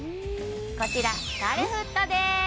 こちらカルフットです